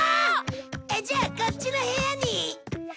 じゃあこっちの部屋に。